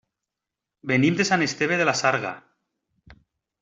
Venim de Sant Esteve de la Sarga.